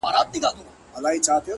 هر انسان ځانګړې وړتیا لري